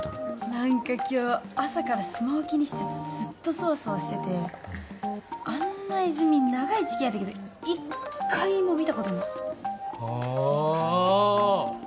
何か今日朝からスマホ気にしてずっとソワソワしててあんな泉長い付き合いだけど一回も見たことないあ！